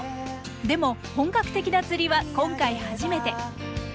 でも本格的な釣りは今回初めて。